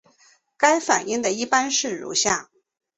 该反应的一般式如下。